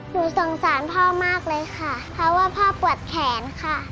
หนูสงสารพ่อมากเลยค่ะเพราะว่าพ่อปวดแขนค่ะ